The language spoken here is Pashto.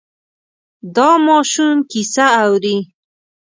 دا ماشوم کیسه اوري.